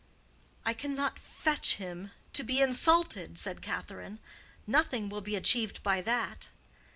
"I cannot fetch him to be insulted," said Catherine. "Nothing will be achieved by that."